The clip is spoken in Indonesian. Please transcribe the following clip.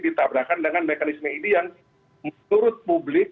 ditabrakan dengan mekanisme ini yang menurut publik